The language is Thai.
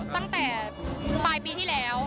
ตั้งแต่ปลายปีที่แล้ว